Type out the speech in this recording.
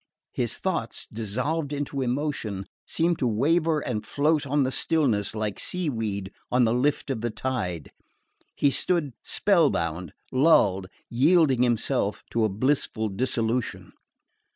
His thoughts, dissolved into emotion, seemed to waver and float on the stillness like sea weed on the lift of the tide. He stood spell bound, lulled, yielding himself to a blissful dissolution.